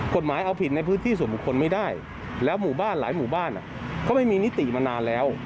กฎหมายเอาผิดในพื้นที่ส่วนบุคคลไม่ได้แล้วหมู่บ้านหลายหมู่บ้านเขาไม่มีนิติมานานแล้ว